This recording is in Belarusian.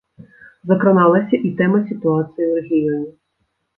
Закраналася і тэма сітуацыі ў рэгіёне.